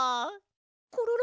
コロロ？